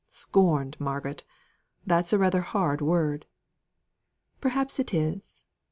'" "Scorned, Margaret! That is rather a hard word." "Perhaps it is.